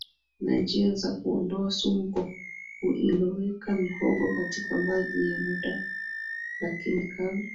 na njia za kuondoa sumu kwa kuiloweka mihogo katika maji kwa muda Lakini kama